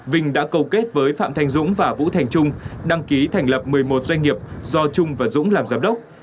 vinh đã cầu kết với phạm thanh dũng và vũ thành trung đăng ký thành lập một mươi một doanh nghiệp do trung và dũng làm giám đốc